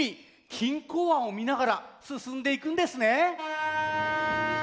錦江湾をみながらすすんでいくんですね。